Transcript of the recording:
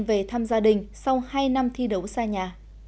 về thăm gia đình sau hai năm thi đấu xa nhà